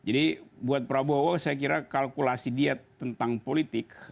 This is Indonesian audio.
jadi buat prabowo saya kira kalkulasi dia tentang politik